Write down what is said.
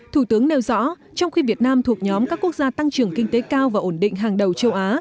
thủ tướng nêu rõ trong khi việt nam thuộc nhóm các quốc gia tăng trưởng kinh tế cao và ổn định hàng đầu châu á